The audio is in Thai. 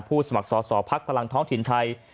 ผู้สมัครสอบพักษ์พลังท้องถิ่นไทย